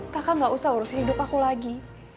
kakak gak usah urusin hidup aku lagi